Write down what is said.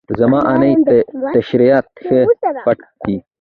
زما نئی تیشرت ښه فټ ده.